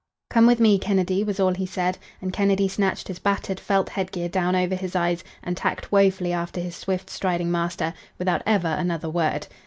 "Come with me, Kennedy," was all he said, and Kennedy snatched his battered felt headgear down over his eyes and tacked woefully after his swift striding master, without ever another word.